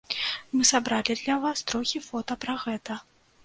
Мы сабралі для вас трохі фота пра гэта.